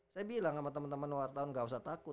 saya bilang sama teman teman wartawan gak usah takut